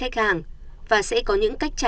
ông phân tích